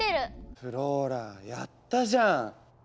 フローラやったじゃん！